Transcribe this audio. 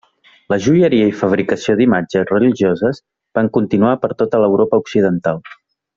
La joieria i la fabricació d'imatges religioses van continuar per tota l'Europa occidental.